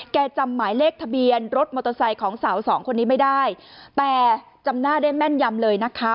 จำหมายเลขทะเบียนรถมอเตอร์ไซค์ของสาวสองคนนี้ไม่ได้แต่จำหน้าได้แม่นยำเลยนะคะ